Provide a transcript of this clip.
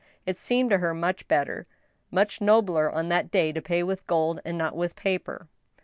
It seemed to her much better, much nobler, on that day, to pay with gold and not with paper.